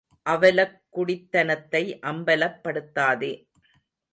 அவலக் குடித்தனத்தை அம்பலப்படுத்தாதே.